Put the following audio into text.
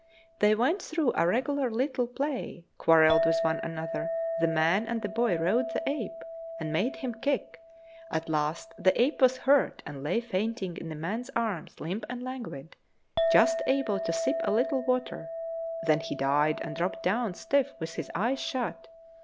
They went through a regular little play, quarrelled with one another; the man and the boy rode the ape, and made him kick; at last the ape was hurt, and lay fainting in the man's arms, limp and languid, just able to sip a little water; then he died, and dropped down stiff, with his eyes shut.